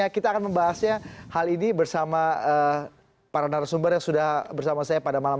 kita akan membahasnya hal ini bersama para narasumber yang sudah bersama saya pada malam